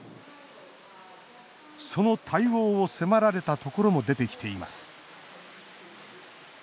その対応を迫られたところも出てきています。